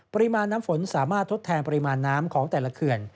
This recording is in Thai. ปริมาณน้ำฝนสามารถทดแทนปริมาณน้ำของแต่ละเขื่อน